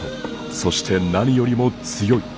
そして何よりも強い。